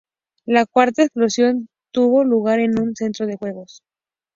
La cuarta explosión tuvo lugar en un centro de juegos.